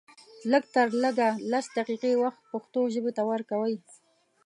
لږ تر لږه لس دقيقې وخت پښتو ژبې ته ورکوئ